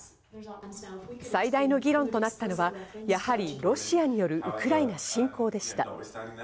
最大の議論となったのはやはりロシアによるウクライナ侵攻でした。